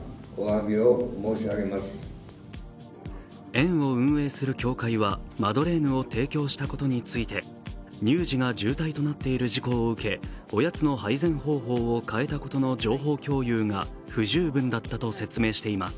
園を運営する協会は、マドレーヌを提供したことについて乳児が渋滞となっている事故を受け、おやつの配膳方法を変えたことの情報共有が不十分だったと説明しています。